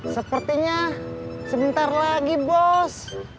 sepertinya sebentar lagi bos